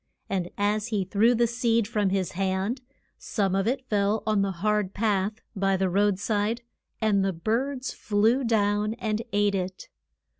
And as he threw the seed from his hand, some of it fell on the hard path by the road side, and the birds flew down and ate it.